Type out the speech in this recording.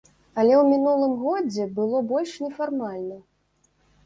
Але ў мінулым годзе было больш нефармальна.